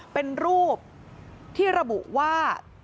เป็นรูปที่ระบุว่า